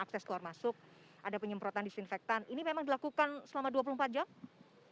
akses keluar masuk ada penyemprotan disinfektan ini memang dilakukan selama dua puluh empat jam